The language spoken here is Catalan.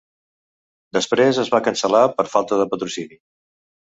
Després es va cancel·lar per falta de patrocini.